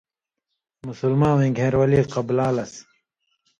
مسلماوَیں گھېن٘رولی قبلا لس۔